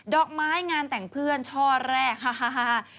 อกไม้งานแต่งเพื่อนช่อแรกฮา